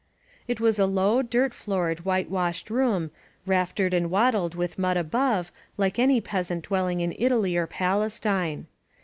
It was a low, dirt floored, whitewashed room, raf tered and wattled with mud above, like any peasant dwelling in Italy or Palestine.